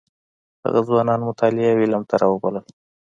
هغه ځوانان مطالعې او علم ته راوبلل.